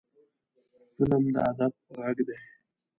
فلم د ادب غږ دی